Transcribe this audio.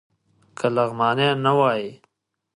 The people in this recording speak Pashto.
که لغمانی نه وای.